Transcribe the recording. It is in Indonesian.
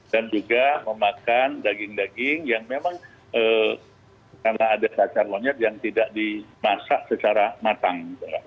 dan juga memakan daging daging yang memang karena ada cacar monyet yang tidak dimasak secara matang